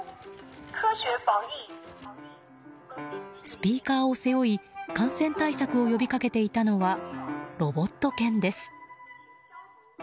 スピーカーを背負い感染対策を呼びかけていたのはロボット犬です。